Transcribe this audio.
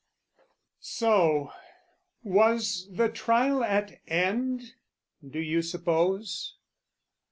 So was the trial at end, do you suppose?